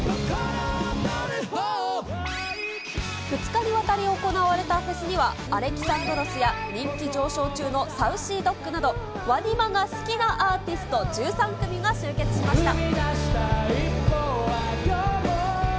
２日にわたり行われたフェスには、［Ａｌｅｘａｎｄｒｏｓ］や、人気上昇中のサウシードッグなど、ＷＡＮＩＭＡが好きなアーティスト１３組が集結しました。